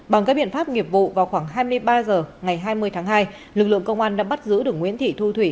bằng các biện pháp nghiệp vụ vào khoảng hai mươi ba h ngày hai mươi tháng hai lực lượng công an đã bắt giữ được nguyễn thị thu thủy